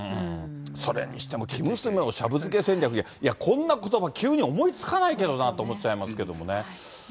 それにしても生娘をシャブ漬け戦略って、いや、こんなことば、急に思いつかないけどなと思っちゃいますけどね。